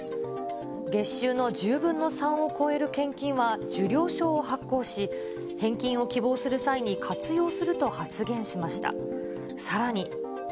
月収の１０分の３を超える献金は受領証を発行し、返金を希望する際に活用すると発言しました。